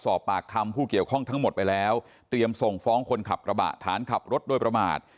สอบปากคำผู้เกี่ยวข้องทั้งหมดไปแล้วเตรียมส่งฟ้องคนขับกระบะฐานขับรถโดยประมาท